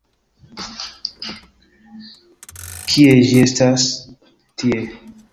Kie ĝi estas... tie!